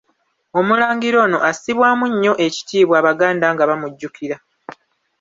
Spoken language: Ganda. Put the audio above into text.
Omulangira ono assibwamu nnyo ekitiibwa Abaganda nga bamujjukira.